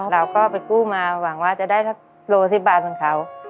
เราก็ไปกู้มาหวังว่าจะได้สักโล๑๐บาทเหมือนเขา